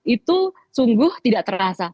itu sungguh tidak terasa